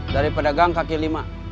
dari pedagang kaki lima